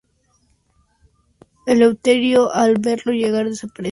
Eleuterio al verlo llegar desaparece.